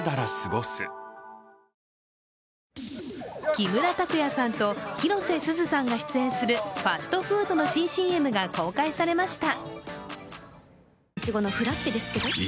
木村拓哉さんと広瀬すずさんが出演するファストフードの新ＣＭが公開されました。